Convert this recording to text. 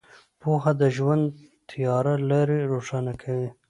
پوهه د ژوند تیاره لارې روښانه کوي.